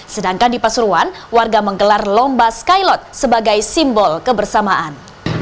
sedangkan di pasuruan warga menggelar lomba skylot sebagai simbol kebersamaan